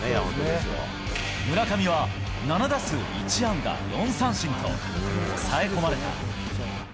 村上は、７打数１安打４三振と、抑え込まれた。